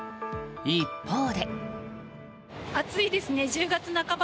一方で。